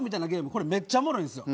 これめっちゃおもろいんですよ。